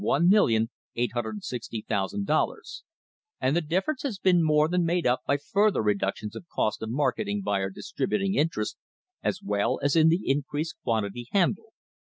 204 of a cent, effecting a saving of $>r,86o,ooo, and the difference has been more than made up by further reductions of cost of marketing by our distributing interests, as well as in the increased quantity handled.